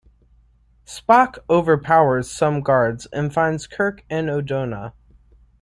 Spock overpowers some guards and finds Kirk and Odona.